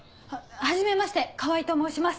はじめまして川合と申します。